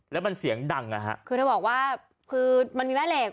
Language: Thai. แล้วมันเสียงดังอ่ะฮะคือเธอบอกว่าคือมันมีแม่เหล็ก